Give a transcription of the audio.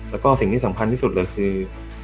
แล้วก็สิ่งที่สำคัญที่สุดเลยคือ